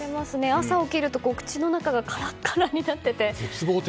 朝起きると口の中がカラカラになっていて。